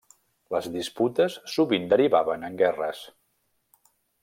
Les disputes sovint derivaven en guerres.